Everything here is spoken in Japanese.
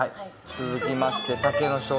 続きまして。